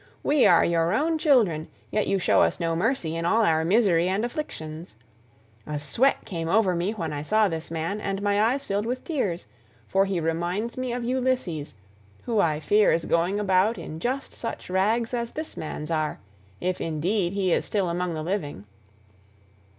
We are your own children, yet you show us no mercy in all our misery and afflictions. A sweat came over me when I saw this man, and my eyes filled with tears, for he reminds me of Ulysses, who I fear is going about in just such rags as this man's are, if indeed he is still among the living.